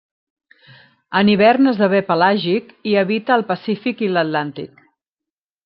En hivern esdevé pelàgic i habita al Pacífic i l'Atlàntic.